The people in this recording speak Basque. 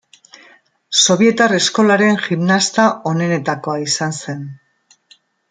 Sobietar Eskolaren gimnasta onenetakoa izan zen.